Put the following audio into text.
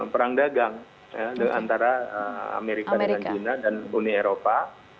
perang dagang antara amerika dengan china dan uni eropa